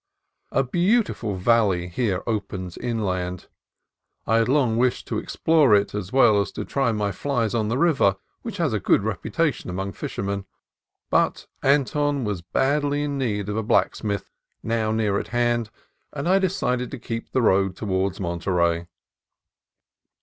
A beautiful valley here opens inland. I had long wished to explore it, as well as to try my flies on the river, which has a good reputation among fishermen. But Anton was badly in need of a black smith, now near at hand, and I decided to keep the road towards Monterey.